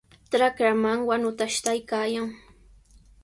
Trakraman wanuta ashtaykaayan.